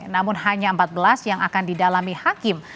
namun hanya empat belas yang akan didalami hakim